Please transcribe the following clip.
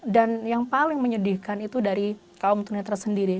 dan yang paling menyedihkan itu dari kaum ternetra sendiri